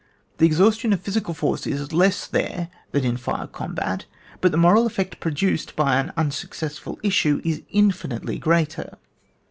The exhaus tion of physical force is less there than in fire combat, but the moral effect produced by an unsuccessful issue' is infinitely greater.